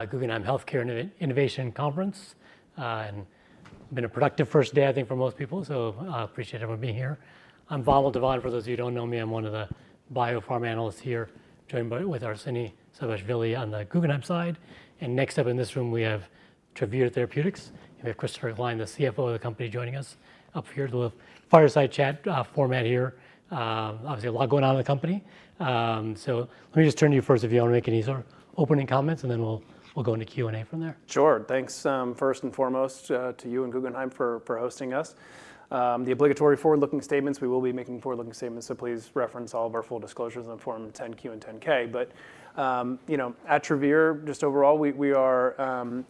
At the Guggenheim Healthcare Innovation Conference. It's been a productive first day, I think, for most people, so I appreciate everyone being here. I'm Vamil Divan, for those of you who don't know me. I'm one of the biopharma analysts here, joined with Arseniy Shabashvili on the Guggenheim side, and next up in this room, we have Travere Therapeutics, and we have Christopher Cline, the CFO of the company, joining us up here. A little fireside chat format here. Obviously, a lot going on in the company. So let me just turn to you first, if you want to make any sort of opening comments, and then we'll go into Q&A from there. Sure. Thanks, first and foremost, to you and Guggenheim for hosting us. The obligatory forward-looking statements. We will be making forward-looking statements, so please reference all of our full disclosures in Form 10-Q and Form 10-K. But at Travere, just overall, we are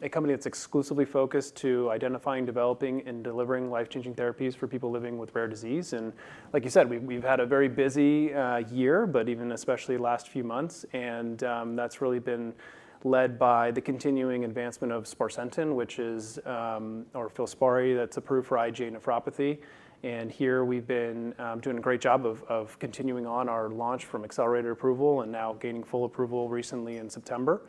a company that's exclusively focused on identifying, developing, and delivering life-changing therapies for people living with rare disease. And like you said, we've had a very busy year, but even especially the last few months. And that's really been led by the continuing advancement of sparsentan, which is, or FILSPARI, that's approved for IgA nephropathy. And here we've been doing a great job of continuing on our launch from accelerated approval and now gaining full approval recently in September.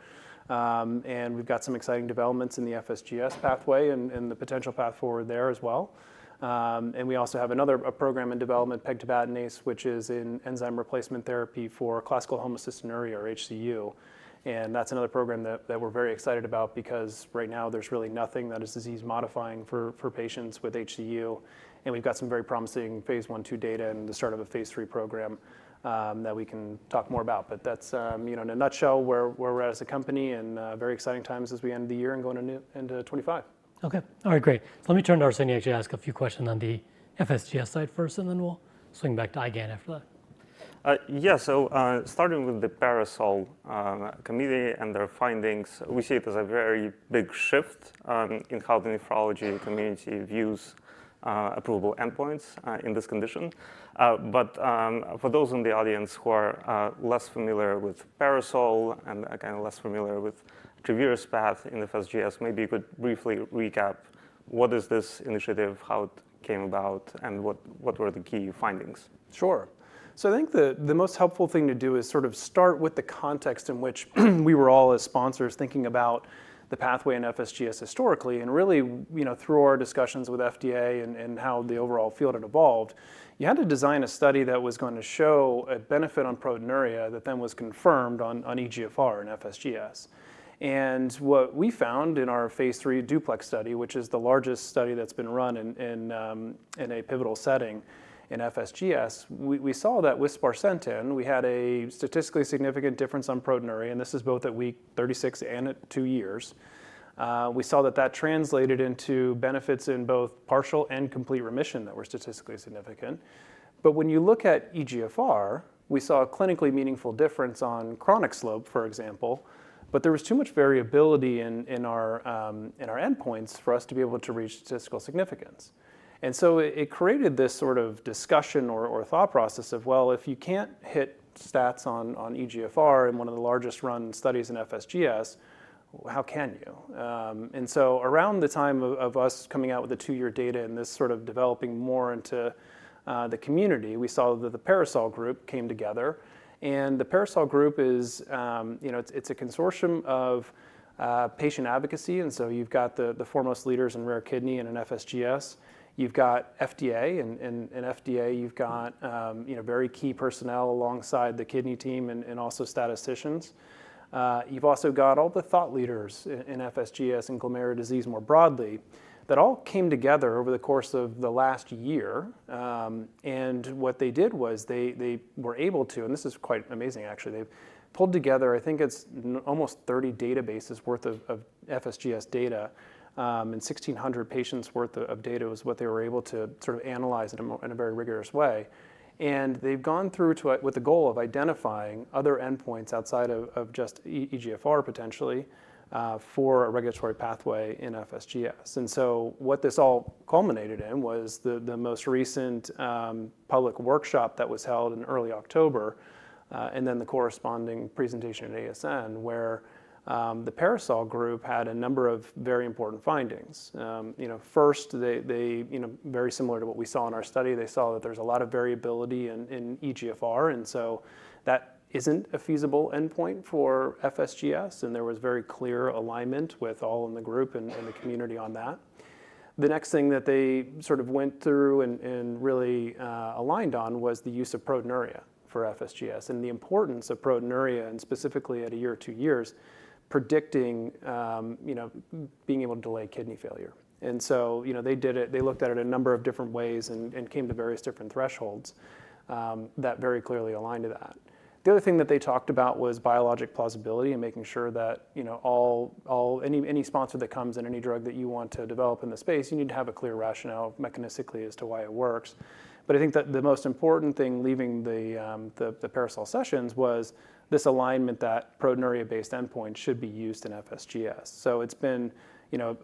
And we've got some exciting developments in the FSGS pathway and the potential path forward there as well. We also have another program in development, pegtibatinase, which is an enzyme replacement therapy for classical homocystinuria, or HCU. That's another program that we're very excited about because right now there's really nothing that is disease-modifying for patients with HCU. We've got some very promising phase I/II data and the start of a phase III program that we can talk more about. That's, in a nutshell, where we're at as a company and very exciting times as we end the year and go into 2025. OK. All right, great. Let me turn to Arseniy, actually, ask a few questions on the FSGS side first, and then we'll swing back to IgA nephra. Yeah, so starting with the PARASOL committee and their findings, we see it as a very big shift in how the nephrology community views approval endpoints in this condition. But for those in the audience who are less familiar with PARASOL and kind of less familiar with Travere's path in FSGS, maybe you could briefly recap what is this initiative, how it came about, and what were the key findings? Sure. So I think the most helpful thing to do is sort of start with the context in which we were all, as sponsors, thinking about the pathway in FSGS historically. Really, through our discussions with FDA and how the overall field had evolved, you had to design a study that was going to show a benefit on proteinuria that then was confirmed on eGFR in FSGS. What we found in our phase III DUPLEX study, which is the largest study that's been run in a pivotal setting in FSGS, we saw that with sparsentan, we had a statistically significant difference on proteinuria. This is both at week 36 and at two years. We saw that that translated into benefits in both partial and complete remission that were statistically significant. When you look at eGFR, we saw a clinically meaningful difference on chronic slope, for example. But there was too much variability in our endpoints for us to be able to reach statistical significance. And so it created this sort of discussion or thought process of, well, if you can't hit stats on eGFR in one of the largest run studies in FSGS, how can you? And so around the time of us coming out with the two-year data and this sort of developing more into the community, we saw that the PARASOL group came together. And the PARASOL group is a consortium of patient advocacy. And so you've got the foremost leaders in rare kidney and in FSGS. You've got FDA. And in FDA, you've got very key personnel alongside the kidney team and also statisticians. You've also got all the thought leaders in FSGS and glomerular disease more broadly that all came together over the course of the last year. And what they did was they were able to, and this is quite amazing, actually, they pulled together, I think it's almost 30 databases' worth of FSGS data and 1,600 patients' worth of data was what they were able to sort of analyze in a very rigorous way. And they've gone through with the goal of identifying other endpoints outside of just eGFR potentially for a regulatory pathway in FSGS. And so what this all culminated in was the most recent public workshop that was held in early October and then the corresponding presentation at ASN, where the PARASOL group had a number of very important findings. First, very similar to what we saw in our study, they saw that there's a lot of variability in eGFR. And so that isn't a feasible endpoint for FSGS. There was very clear alignment with all in the group and the community on that. The next thing that they sort of went through and really aligned on was the use of proteinuria for FSGS and the importance of proteinuria, and specifically at a year or two years, predicting being able to delay kidney failure. They looked at it in a number of different ways and came to various different thresholds that very clearly aligned to that. The other thing that they talked about was biologic plausibility and making sure that any sponsor that comes in any drug that you want to develop in the space, you need to have a clear rationale mechanistically as to why it works. I think that the most important thing leaving the PARASOL sessions was this alignment that proteinuria-based endpoints should be used in FSGS. So it's been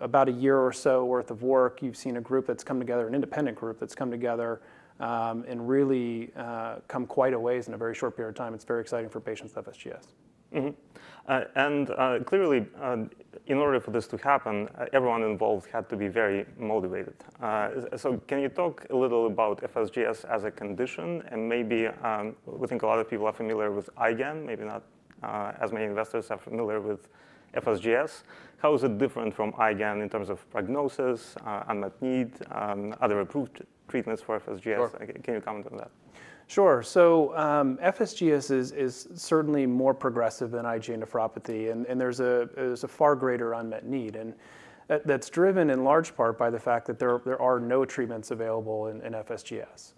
about a year or so worth of work. You've seen a group that's come together, an independent group that's come together, and really come quite a ways in a very short period of time. It's very exciting for patients with FSGS. Clearly, in order for this to happen, everyone involved had to be very motivated. Can you talk a little about FSGS as a condition? Maybe we think a lot of people are familiar with IgAN, maybe not as many investors are familiar with FSGS. How is it different from IgAN in terms of prognosis, unmet need, other approved treatments for FSGS? Can you comment on that? Sure. So FSGS is certainly more progressive than IgA nephropathy. And there's a far greater unmet need. And that's driven in large part by the fact that there are no treatments available in FSGS.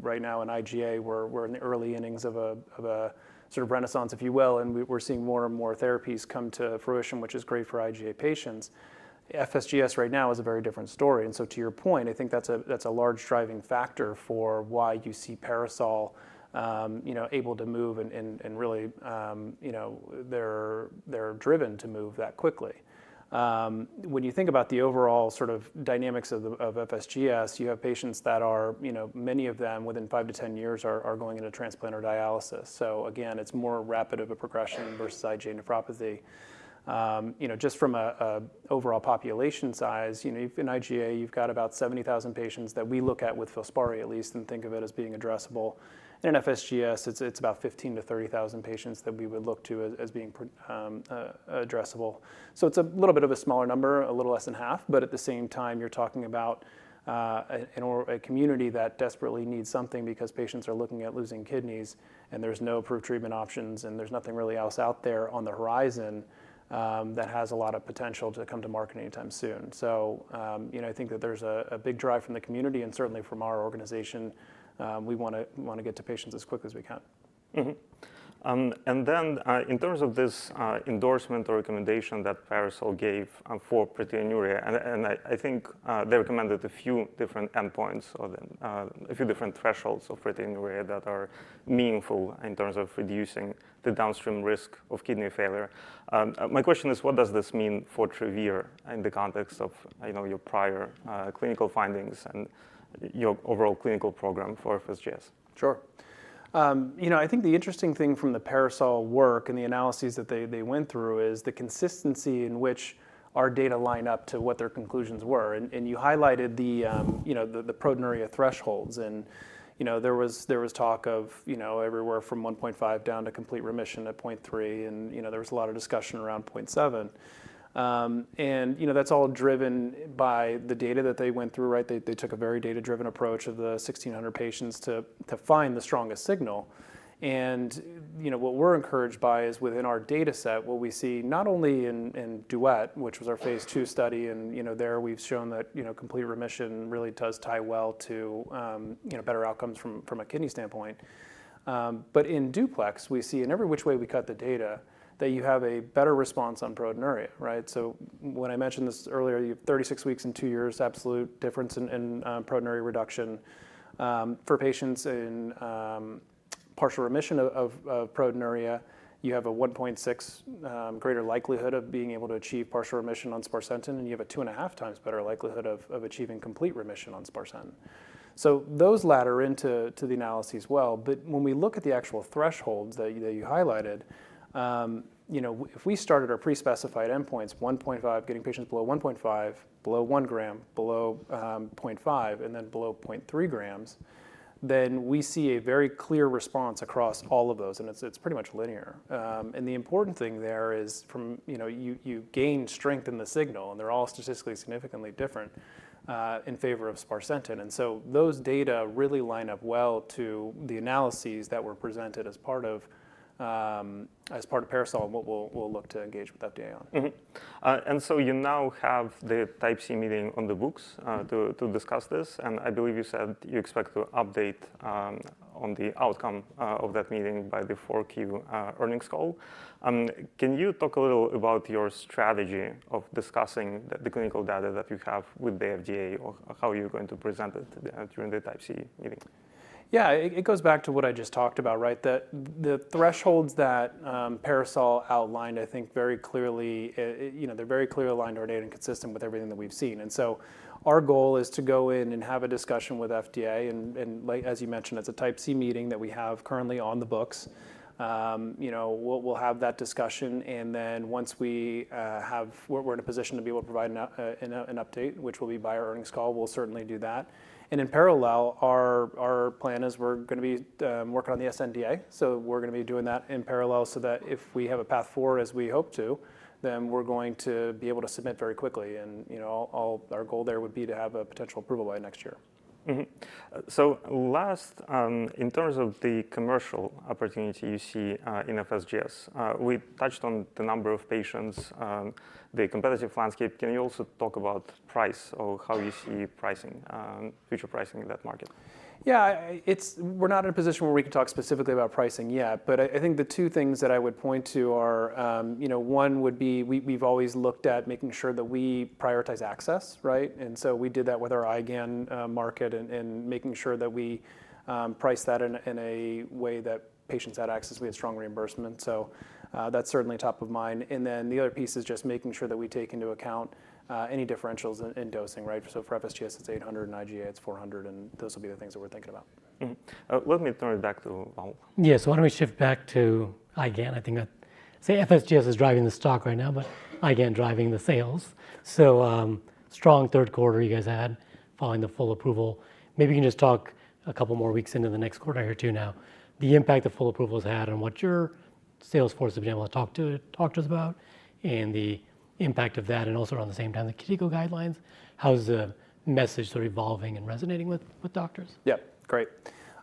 Right now in IgA, we're in the early innings of a sort of renaissance, if you will, and we're seeing more and more therapies come to fruition, which is great for IgA patients. FSGS right now is a very different story. And so to your point, I think that's a large driving factor for why you see PARASOL able to move and really they're driven to move that quickly. When you think about the overall sort of dynamics of FSGS, you have patients that are many of them within 5-10 years are going into transplant or dialysis. So again, it's more rapid of a progression versus IgA nephropathy. Just from an overall population size, in IgA, you've got about 70,000 patients that we look at with FILSPARI, at least, and think of it as being addressable, and in FSGS, it's about 15,000-30,000 patients that we would look to as being addressable, so it's a little bit of a smaller number, a little less than half, but at the same time, you're talking about a community that desperately needs something because patients are looking at losing kidneys, and there's no approved treatment options, and there's nothing really else out there on the horizon that has a lot of potential to come to market anytime soon, so I think that there's a big drive from the community and certainly from our organization. We want to get to patients as quickly as we can. Then in terms of this endorsement or recommendation that PARASOL gave for proteinuria, and I think they recommended a few different endpoints or a few different thresholds of proteinuria that are meaningful in terms of reducing the downstream risk of kidney failure. My question is, what does this mean for Travere in the context of your prior clinical findings and your overall clinical program for FSGS? Sure. I think the interesting thing from the PARASOL work and the analyses that they went through is the consistency in which our data line up to what their conclusions were. And you highlighted the proteinuria thresholds. And there was talk of everywhere from 1.5 down to complete remission at 0.3. And there was a lot of discussion around 0.7. And that's all driven by the data that they went through, right? They took a very data-driven approach of the 1,600 patients to find the strongest signal. And what we're encouraged by is within our data set, what we see not only in DUET, which was our phase II study, and there we've shown that complete remission really does tie well to better outcomes from a kidney standpoint. But in DUPLEX, we see in every which way we cut the data that you have a better response on proteinuria, right? So when I mentioned this earlier, you have 36 weeks and two years' absolute difference in proteinuria reduction. For patients in partial remission of proteinuria, you have a 1.6 greater likelihood of being able to achieve partial remission on sparsentan, and you have a 2 and 1/2 times better likelihood of achieving complete remission on sparsentan. So those ladder into the analyses well. But when we look at the actual thresholds that you highlighted, if we started our pre-specified endpoints 1.5, getting patients below 1.5, below 1 gram, below 0.5, and then below 0.3 grams, then we see a very clear response across all of those. And it's pretty much linear. And the important thing there is you gain strength in the signal, and they're all statistically significantly different in favor of sparsentan. Those data really line up well to the analyses that were presented as part of PARASOL and what we'll look to engage with FDA on. And so you now have the Type C meeting on the books to discuss this. And I believe you said you expect to update on the outcome of that meeting by the 4Q earnings call. Can you talk a little about your strategy of discussing the clinical data that you have with the FDA or how you're going to present it during the Type C meeting? Yeah, it goes back to what I just talked about, right? The thresholds that PARASOL outlined, I think very clearly, they're very clearly aligned to our data and consistent with everything that we've seen. And so our goal is to go in and have a discussion with FDA. And as you mentioned, it's a Type C meeting that we have currently on the books. We'll have that discussion. And then once we're in a position to be able to provide an update, which will be by our earnings call, we'll certainly do that. And in parallel, our plan is we're going to be working on the SNDA. So we're going to be doing that in parallel so that if we have a path forward, as we hope to, then we're going to be able to submit very quickly. Our goal there would be to have a potential approval by next year. So last, in terms of the commercial opportunity you see in FSGS, we touched on the number of patients, the competitive landscape. Can you also talk about price or how you see pricing, future pricing in that market? Yeah, we're not in a position where we can talk specifically about pricing yet. But I think the two things that I would point to are one would be we've always looked at making sure that we prioritize access, right? And so we did that with our IgAN market and making sure that we priced that in a way that patients had access, we had strong reimbursement. So that's certainly top of mind. And then the other piece is just making sure that we take into account any differentials in dosing, right? So for FSGS, it's 800. In IgA, it's 400. And those will be the things that we're thinking about. Let me turn it back to. Yeah, so why don't we shift back to IgAN? I think FSGS is driving the stock right now, but IgAN driving the sales. So strong third quarter you guys had following the full approval. Maybe you can just talk a couple more weeks into the next quarter or two now. The impact the full approval has had on what your sales force have been able to talk to us about and the impact of that, and also around the same time, the clinical guidelines, how is the message sort of evolving and resonating with doctors? Yeah, great.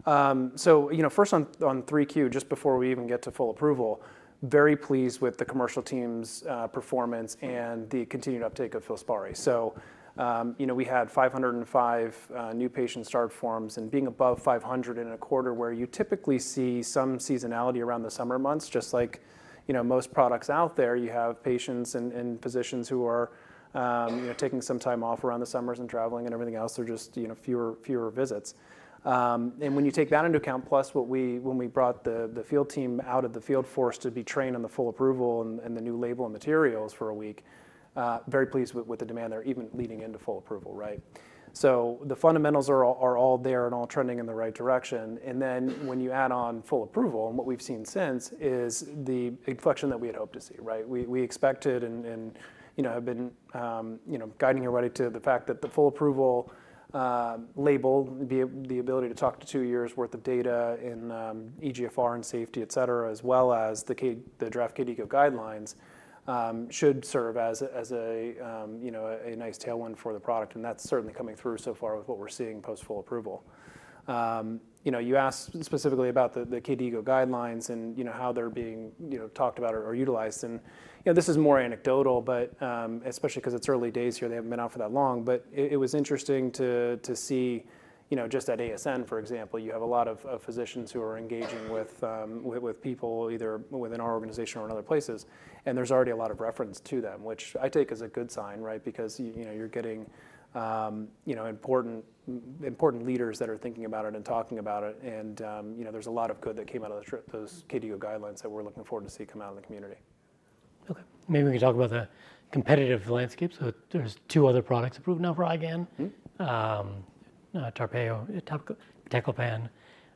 So first on 3Q, just before we even get to full approval, very pleased with the commercial team's performance and the continued uptake of FILSPARI. So we had 505 new patients start forms and being above 500 in a quarter where you typically see some seasonality around the summer months. Just like most products out there, you have patients and physicians who are taking some time off around the summers and traveling and everything else. There are just fewer visits. And when you take that into account, plus when we brought the field team out of the field force to be trained on the full approval and the new label and materials for a week, very pleased with the demand there, even leading into full approval, right? So the fundamentals are all there and all trending in the right direction. And then when you add on full approval, and what we've seen since is the inflection that we had hoped to see, right? We expected and have been guiding everybody to the fact that the full approval label, the ability to talk to two years' worth of data in eGFR and safety, et cetera, as well as the draft kidney guidelines, should serve as a nice tailwind for the product. And that's certainly coming through so far with what we're seeing post full approval. You asked specifically about the kidney guidelines and how they're being talked about or utilized. And this is more anecdotal, but especially because it's early days here. They haven't been out for that long. But it was interesting to see just at ASN, for example, you have a lot of physicians who are engaging with people either within our organization or in other places. And there's already a lot of reference to them, which I take as a good sign, right? Because you're getting important leaders that are thinking about it and talking about it. And there's a lot of good that came out of those kidney guidelines that we're looking forward to seeing come out in the community. OK, maybe we can talk about the competitive landscape. So there's two other products approved now for IgAN, TARPEYO, iptacopan,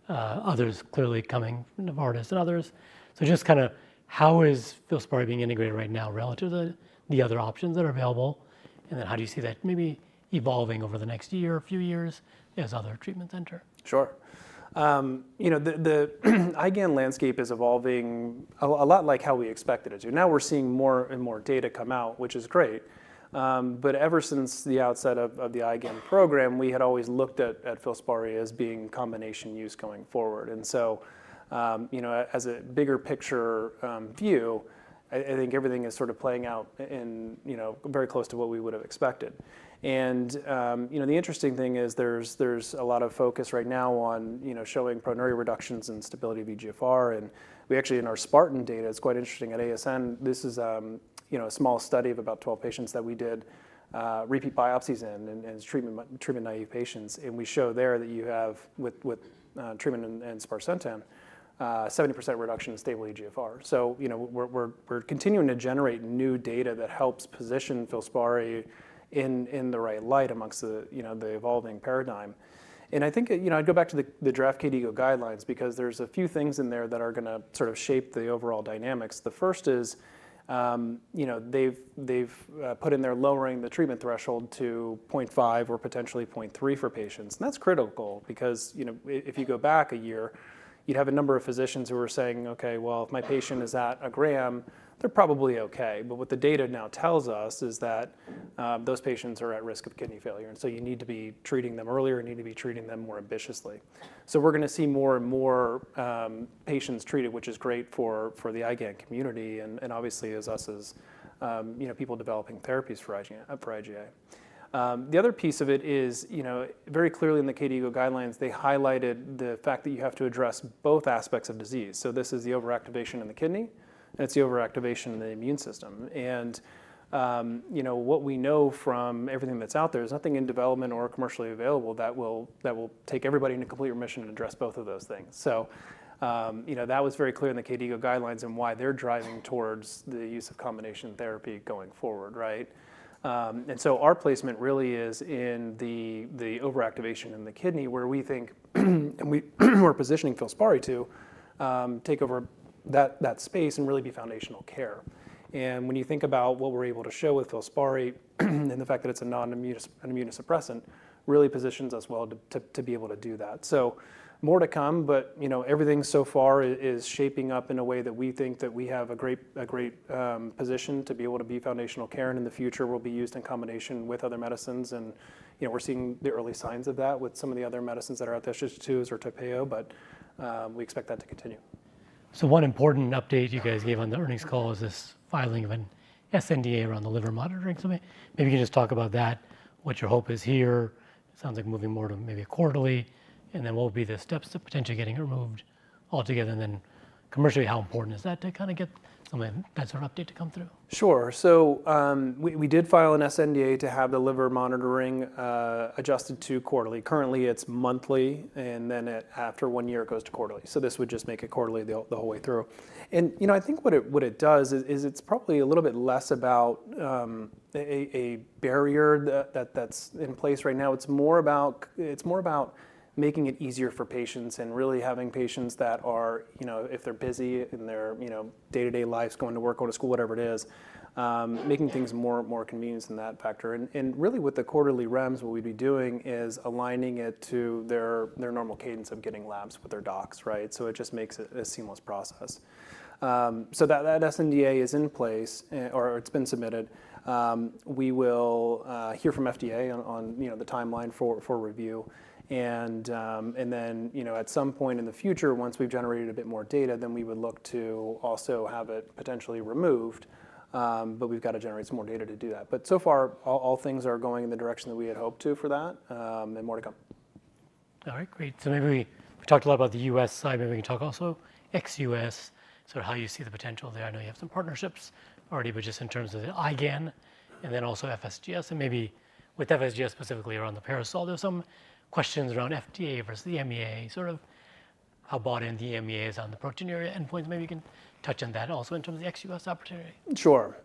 others clearly coming from Novartis and others. So just kind of how is FILSPARI being integrated right now relative to the other options that are available? And then how do you see that maybe evolving over the next year or few years as other treatment centers? Sure. The IgAN landscape is evolving a lot like how we expected it to. Now we're seeing more and more data come out, which is great. But ever since the outset of the IgAN program, we had always looked at FILSPARI as being combination use going forward. And so as a bigger picture view, I think everything is sort of playing out very close to what we would have expected. And the interesting thing is there's a lot of focus right now on showing proteinuria reductions and stability of eGFR. And we actually, in our SPARTAN data, it's quite interesting. At ASN, this is a small study of about 12 patients that we did repeat biopsies in treatment-naive patients. And we show there that you have, with treatment and sparsentan, 70% reduction in stable eGFR. We're continuing to generate new data that helps position FILSPARI in the right light among the evolving paradigm. I think I'd go back to the draft kidney guidelines because there's a few things in there that are going to sort of shape the overall dynamics. The first is they've put in there lowering the treatment threshold to 0.5 or potentially 0.3 for patients. That's critical because if you go back a year, you'd have a number of physicians who were saying, OK, well, if my patient is at a gram, they're probably OK. But what the data now tells us is that those patients are at risk of kidney failure. You need to be treating them earlier. You need to be treating them more ambitiously. So we're going to see more and more patients treated, which is great for the IgAN community and obviously as us as people developing therapies for IgA. The other piece of it is very clearly in the kidney guidelines, they highlighted the fact that you have to address both aspects of disease. So this is the overactivation in the kidney, and it's the overactivation in the immune system. And what we know from everything that's out there is nothing in development or commercially available that will take everybody into complete remission and address both of those things. So that was very clear in the kidney guidelines and why they're driving towards the use of combination therapy going forward, right? And so our placement really is in the overactivation in the kidney where we think we're positioning FILSPARI to take over that space and really be foundational care. When you think about what we're able to show with FILSPARI and the fact that it's a non-immunosuppressant, really positions us well to be able to do that. More to come. Everything so far is shaping up in a way that we think that we have a great position to be able to be foundational care in the future. It will be used in combination with other medicines. We're seeing the early signs of that with some of the other medicines that are out there, such as SGLT2s or TARPEYO. We expect that to continue. So one important update you guys gave on the earnings call is this filing of an sNDA around the liver monitoring something. Maybe you can just talk about that, what your hope is here. Sounds like moving more to maybe quarterly. And then what will be the steps to potentially getting it removed altogether? And then commercially, how important is that to kind of get some of that sort of update to come through? Sure. So we did file an sNDA to have the liver monitoring adjusted to quarterly. Currently, it's monthly. And then after one year, it goes to quarterly. So this would just make it quarterly the whole way through. And I think what it does is it's probably a little bit less about a barrier that's in place right now. It's more about making it easier for patients and really having patients that are, if they're busy in their day-to-day lives, going to work, going to school, whatever it is, making things more convenient than that factor. And really, with the quarterly REMS, what we'd be doing is aligning it to their normal cadence of getting labs with their docs, right? So it just makes it a seamless process. So that sNDA is in place or it's been submitted. We will hear from FDA on the timeline for review. And then at some point in the future, once we've generated a bit more data, then we would look to also have it potentially removed. But we've got to generate some more data to do that. But so far, all things are going in the direction that we had hoped to for that and more to come. All right, great. So maybe we talked a lot about the U.S. side. Maybe we can talk also ex-U.S., sort of how you see the potential there. I know you have some partnerships already, but just in terms of the IgAN, and then also FSGS. And maybe with FSGS specifically around the PARASOL, there's some questions around FDA versus the EMA, sort of how bought in the EMA is on the proteinuria endpoints. Maybe you can touch on that also in terms of the ex-U.S. opportunity. Sure.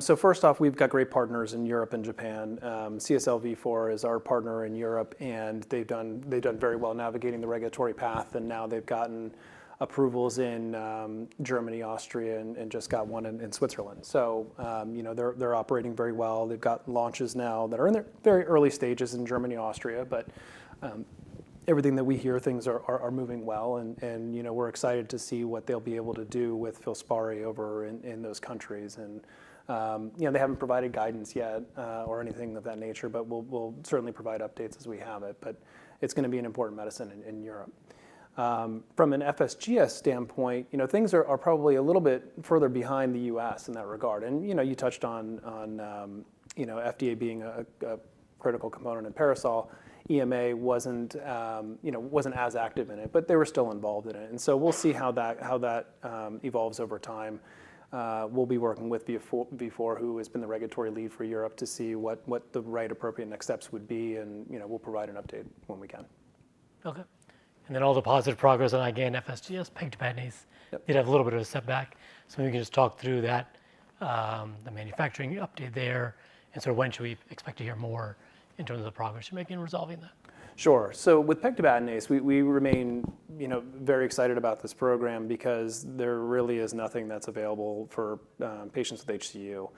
So first off, we've got great partners in Europe and Japan. CSL Vifor is our partner in Europe. And they've done very well navigating the regulatory path. And now they've gotten approvals in Germany, Austria, and just got one in Switzerland. So they're operating very well. They've got launches now that are in their very early stages in Germany, Austria. But everything that we hear, things are moving well. And we're excited to see what they'll be able to do with FILSPARI over in those countries. And they haven't provided guidance yet or anything of that nature. But we'll certainly provide updates as we have it. But it's going to be an important medicine in Europe. From an FSGS standpoint, things are probably a little bit further behind the U.S. in that regard. And you touched on FDA being a critical component in PARASOL. EMA wasn't as active in it, but they were still involved in it. And so we'll see how that evolves over time. We'll be working with Vifor, who has been the regulatory lead for Europe, to see what the right appropriate next steps would be. And we'll provide an update when we can. OK. All the positive progress on IgA, FSGS, pegtibatinase did have a little bit of a setback. Maybe you can just talk through that, the manufacturing update there. Sort of, when should we expect to hear more in terms of the progress you're making in resolving that? Sure. So with pegtibatinase, we remain very excited about this program because there really is nothing that's available for patients with HCU.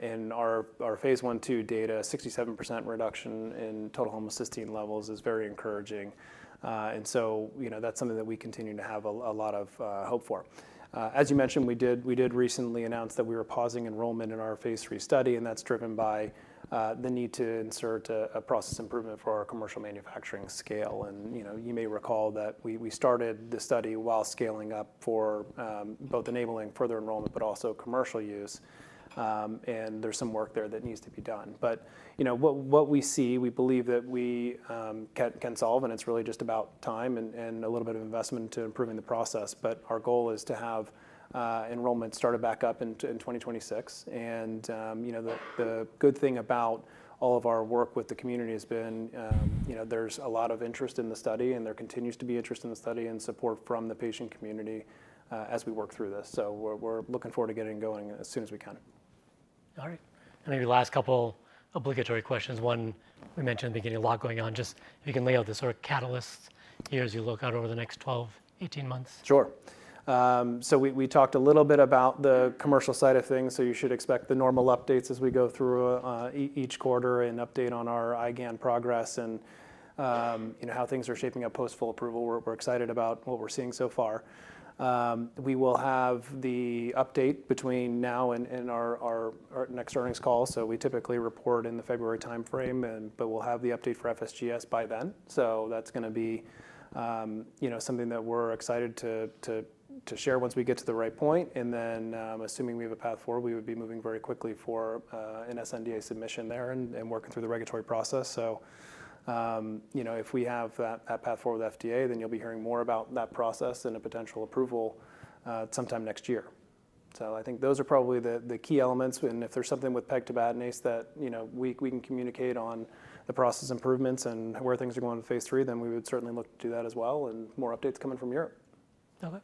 In our phase I/II data, 67% reduction in total homocysteine levels is very encouraging, and so that's something that we continue to have a lot of hope for. As you mentioned, we did recently announce that we were pausing enrollment in our phase III study, and that's driven by the need to insert a process improvement for our commercial manufacturing scale, and you may recall that we started the study while scaling up for both enabling further enrollment but also commercial use, and there's some work there that needs to be done, but what we see, we believe that we can solve, and it's really just about time and a little bit of investment to improving the process. But our goal is to have enrollment started back up in 2026. And the good thing about all of our work with the community has been there's a lot of interest in the study. And there continues to be interest in the study and support from the patient community as we work through this. So we're looking forward to getting going as soon as we can. All right. And maybe last couple obligatory questions. One, we mentioned at the beginning, a lot going on. Just if you can lay out the sort of catalysts here as you look out over the next 12-18 months? Sure. So we talked a little bit about the commercial side of things. So you should expect the normal updates as we go through each quarter and update on our IgAN progress and how things are shaping up post full approval. We're excited about what we're seeing so far. We will have the update between now and our next earnings call. So we typically report in the February time frame. But we'll have the update for FSGS by then. So that's going to be something that we're excited to share once we get to the right point. And then assuming we have a path forward, we would be moving very quickly for an sNDA submission there and working through the regulatory process. So if we have that path forward with FDA, then you'll be hearing more about that process and a potential approval sometime next year. So I think those are probably the key elements. And if there's something with pegtibatinase that we can communicate on the process improvements and where things are going in phase III, then we would certainly look to do that as well and more updates coming from Europe. OK.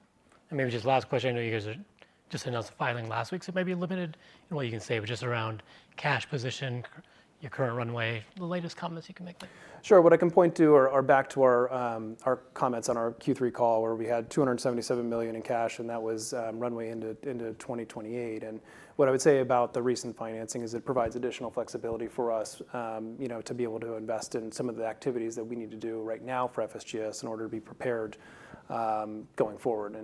And maybe just last question. I know you guys just announced the filing last week. So maybe a limited, what you can say, but just around cash position, your current runway, the latest comments you can make there? Sure. What I can point to are back to our comments on our Q3 call where we had $277 million in cash, and that was runway into 2028, and what I would say about the recent financing is it provides additional flexibility for us to be able to invest in some of the activities that we need to do right now for FSGS in order to be prepared going forward.